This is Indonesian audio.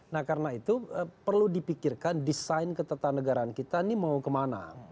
nah karena itu perlu dipikirkan desain ketatanegaraan kita ini mau kemana